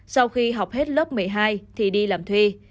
sau khi học hết lớp một mươi hai thì đi làm thuê